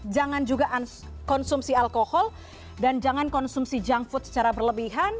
jangan juga konsumsi alkohol dan jangan konsumsi junk food secara berlebihan